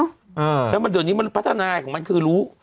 เออแต่เดาแบบนี้มันพัฒนาอย่างมั้ยคือรู้